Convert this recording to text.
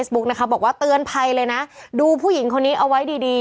บอกว่าเตือนภัยเลยนะดูผู้หญิงคนนี้เอาไว้ดีดี